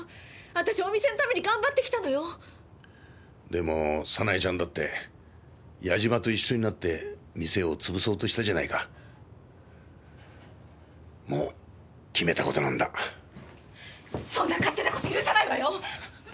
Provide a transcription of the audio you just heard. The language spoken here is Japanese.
私お店のために頑張ってきたのよでも早苗ちゃんだって矢島と一緒になって店を潰そうとしたじゃないかもう決めたことなんだそんな勝手なこと許さないわよ！